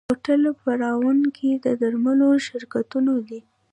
هوټل پروان کې د درملو شرکتونه دي.